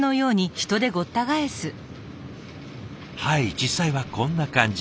はい実際はこんな感じ。